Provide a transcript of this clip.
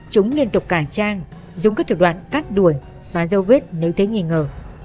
chúng liên tục cản trang dùng các thủ đoạn cắt đuổi xóa dâu vết nếu thấy nghi ngờ